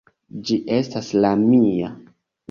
Ĝi estas la mia.